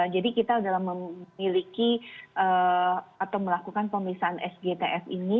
jadi kita dalam memiliki atau melakukan pemeriksaan s gain tf ini